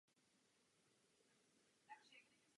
Zástavbou jsou převážně rodinné domky staršího i novějšího typu.